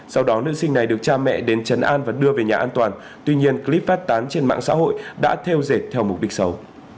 sau đó nữ sinh này được cha mẹ đến chấn an và đưa về nhà an toàn tuy nhiên clip phát tán trên mạng xã hội đã theo dệt theo mục đích xấu